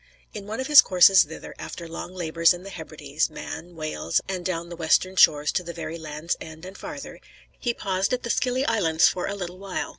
In one of his courses thither, after long labors in the Hebrides, Man, Wales, and down the western shores to the very Land's End and farther, he paused at the Scilly Islands for a little while.